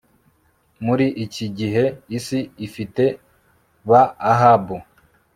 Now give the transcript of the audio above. Muri iki gihe isi ifite ba Ahabu